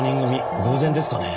偶然ですかね？